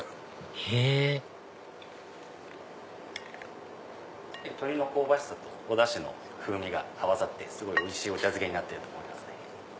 へぇ鶏の香ばしさとおダシの風味が合わさってすごいおいしいお茶漬けになってると思います。